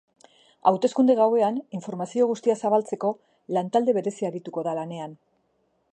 Hauteskunde gauean informazio guztia zabaltzeko lantalde berezia arituko da lanean.